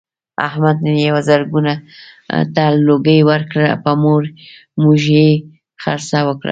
احمد نن یوه زرګون ته لوګی ورکړ په موږ یې خرڅه وکړله.